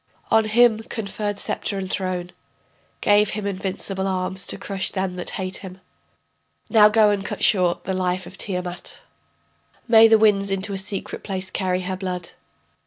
On him conferred sceptre and throne.... Gave him invincible arms to crush them that hate him. Now go and cut short the life of Tiamat, May the winds into a secret place carry her blood.